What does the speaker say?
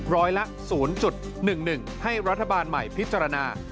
ร้อยละ๐๑๑ให้รัฐบาลใหม่พิจารณา